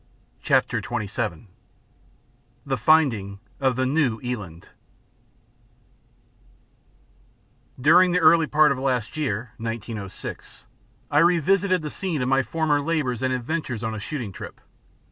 CHAPTER XXVII THE FINDING OF THE NEW ELAND During the early part of last year (1906) I revisited the scene of my former labours and adventures on a shooting trip.